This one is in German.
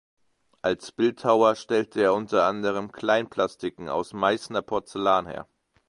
Als Bildhauer stellte er unter anderem Kleinplastiken aus Meißner Porzellan her.